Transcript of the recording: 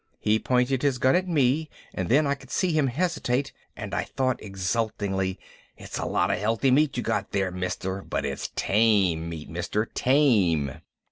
He pointed his gun at me and then I could see him hesitate and I thought exultingly _it's a lot of healthy meat you got there, mister, but it's tame meat, mister, tame!